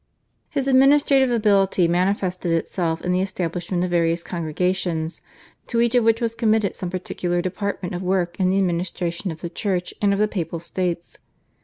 His administrative ability manifested itself in the establishment of various congregations, to each of which was committed some particular department of work in the administration of the Church and of the Papal States.